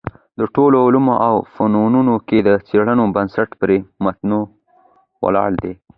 د ټولو علومو او فنونو کي د څېړنو بنسټ پر متونو ولاړ دﺉ.